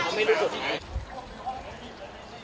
เขาไม่รู้สุดไง